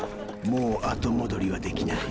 「もう後戻りはできない」